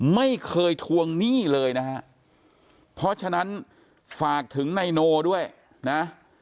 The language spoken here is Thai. ไม่เคยทวงหนี้เลยนะฮะเพราะฉะนั้นฝากถึงนายโนด้วยนะ